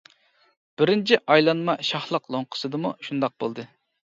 بىرىنچى ئايلانما شاھلىق لوڭقىسىدىمۇ شۇنداق بولدى.